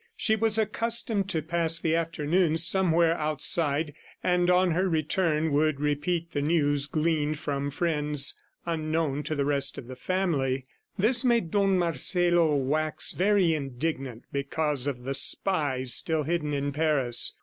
She was accustomed to pass the afternoons somewhere outside, and on her return would repeat the news gleaned from friends unknown to the rest of the family. This made Don Marcelo wax very indignant because of the spies still hidden in Paris.